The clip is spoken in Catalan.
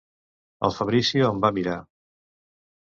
El Fabrizio em va mirar.